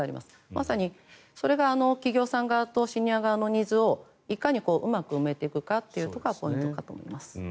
まさにそれが企業さん側とシニア側のニーズをいかにうまく埋めていくかというところがポイントかと思います。